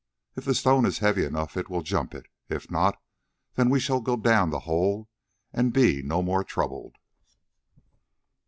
If the stone is heavy enough it will jump it, if not, then we shall go down the hole and be no more troubled."